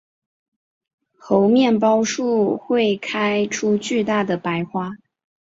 猴面包树会开出巨大的白花。